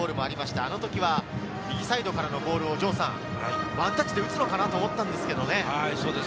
あの時は右サイドからのボールをワンタッチで打つのかなと思ったんですけどね。